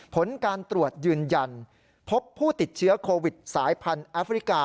ผลการตรวจยืนยันพบผู้ติดเชื้อโควิดสายพันธุ์แอฟริกา